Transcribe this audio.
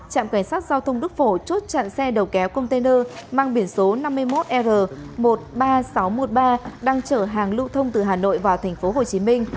trạm cảnh sát giao thông đức phổ chốt chặn xe đầu kéo container mang biển số năm mươi một r một mươi ba nghìn sáu trăm một mươi ba đang chở hàng lưu thông từ hà nội vào tp hcm